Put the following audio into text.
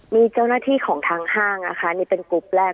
มีเจ้าหน้าที่ของทางห้างนะคะนี่เป็นกรุ๊ปแรก